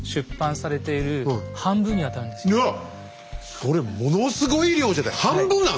それものすごい量じゃない。